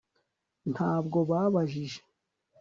ntabwo babajije